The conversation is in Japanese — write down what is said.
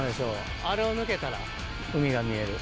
あれを抜けたら海が見える。